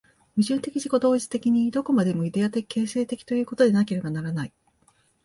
矛盾的自己同一的に、どこまでもイデヤ的形成的ということでなければならない。